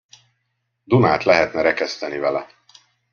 Dunát lehetne rekeszteni vele.